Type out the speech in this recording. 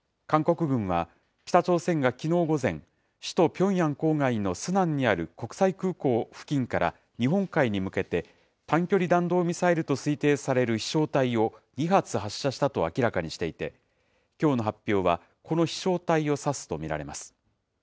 韓国軍は、北朝鮮がきのう午前、首都ピョンヤン郊外のスナンにある国際空港付近から日本海に向けて、短距離弾道ミサイルと推定される飛しょう体を２発発射したと明らかにしていて、きょうの発表は、この飛しょう体を指すと見られます。